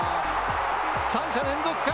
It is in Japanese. ３者連続か。